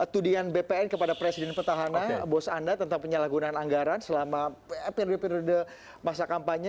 tudian bpn kepada presiden petahana bos anda tentang penyalahgunaan anggaran selama periode periode masa kampanye